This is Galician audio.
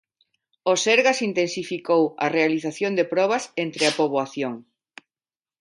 O Sergas intensificou a realización de probas entre a poboación.